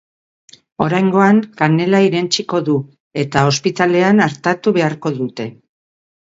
Oraingoan, kanela irentsiko du, eta ospitalean artatu beharko dute.